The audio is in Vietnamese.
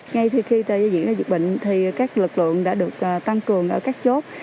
ngay khi diễn ra dịch bệnh thì các lực lượng đã được tăng cường ở các chốt